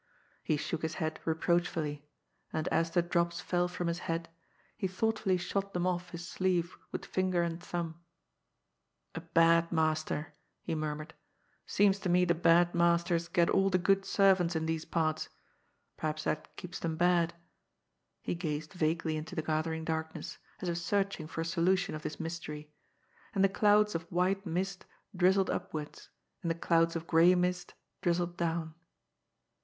He shook his head reproachfully ; and as the drops fell from his hat, he thoughtfully shot them off his sleeve with finger and thumb. '^ A bad master," he murmured. ^^ Seems to me the bad masters get all the good servants in these parts. Perhaps that keeps them bad." He gazed vaguely into the gathering darkness, as if searching for a solution of this mystery. And the clouds of white mist drizzled upwards, and the clouds of gray mist drizzled down.